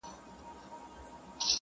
د زمان رحم ـ رحم نه دی؛ هیڅ مرحم نه دی ـ